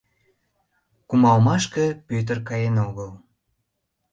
Кумалмашке Пӧтыр каен огыл.